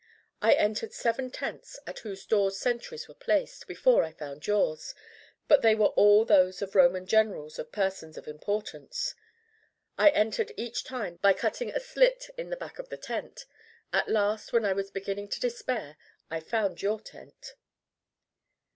I entered seven tents, at whose doors sentries were placed, before I found yours, but they were all those of Roman generals or persons of importance. I entered each time by cutting a slit in the back of the tent. At last when I was beginning to despair, I found your tent.